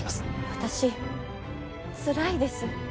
私つらいです。